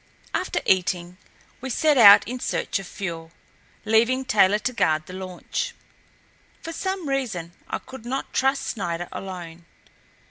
After eating, we set out in search of fuel, leaving Taylor to guard the launch. For some reason I could not trust Snider alone.